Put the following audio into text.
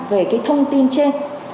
về thông tin trên